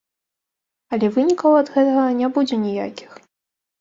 Але вынікаў ад гэтага не будзе ніякіх.